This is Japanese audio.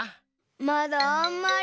まだあんまり。